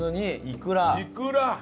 いくら！